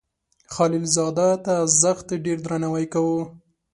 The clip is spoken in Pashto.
خلیل زاده ته زښت ډیر درناوی کاو.